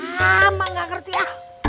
lama gak ngerti ya